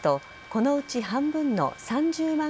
このうち半分の３０万